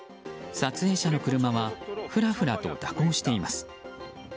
撮影者の車はふらふらと蛇行しています。